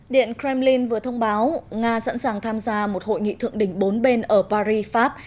điện kremlin vừa thông báo nga sẵn sàng tham gia một hội nghị thượng đỉnh bốn bên ở paris pháp